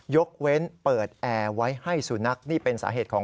นะไม่ต้องเข้าไปนะสะสมสินให้ดีพิสูจน์